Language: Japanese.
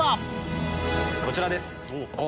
こちらです。